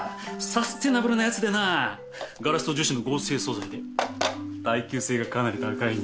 サステナブルなやつでなガラスと樹脂の合成素材で耐久性がかなり高いんだ。